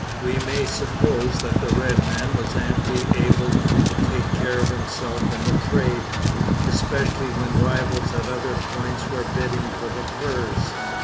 We may suppose that the red man was amply able to take care of himself in the trade, especially when rivals at other points were bidding for the furs.